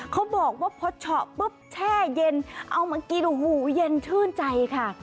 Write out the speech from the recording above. เขาบอกว่าพดเชาะแช่เย็นเอามากินหูเย็นชื่นใจค่ะ